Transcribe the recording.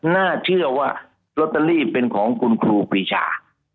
น่าเชื่อว่าลอตเตอรี่เป็นของคุณครูปรีชา